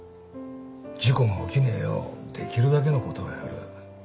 事故が起きねえようできるだけのことはやる。